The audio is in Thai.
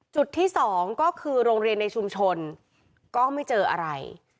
จุดที่สองก็คือโรงเรียนในชุมชนก็ไม่เจออะไร